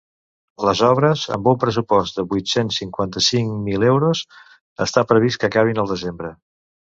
Les obres, amb un pressupost de vuit-cents cinquanta-cinc mil euros, està previst que acabin al desembre.